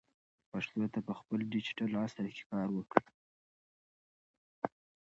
پښتو ته په ډیجیټل عصر کې کار وکړئ.